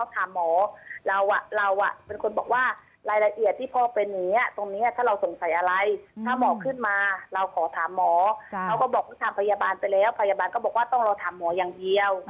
ถามพยาบาลไปแล้วพยาบาลก็บอกว่าต้องรอถามหมอยังเดียว